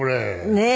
ねえ。